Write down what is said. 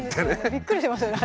びっくりしますよね